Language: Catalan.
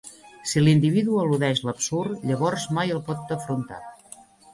Si l'individu eludeix l'Absurd, llavors mai el pot afrontar.